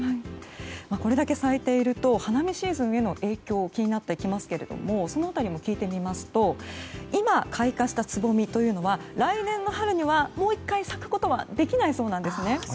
これだけ咲いていると花見シーズンへの影響気になってきますけれどもその辺りも聞いてみますと今、開花したつぼみというのは来年の春、もう１回咲くことはできないそうなんですね。